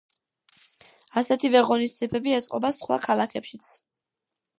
ასეთივე ღონისძიებები ეწყობა სხვა ქალაქებშიც.